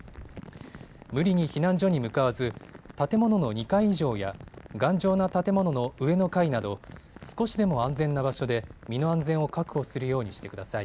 無理に避難所に向かわず、建物の２階以上や頑丈な建物の上の階など少しでも安全な場所で身の安全を確保するようにしてください。